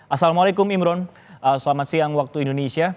assalamualaikum imron selamat siang waktu indonesia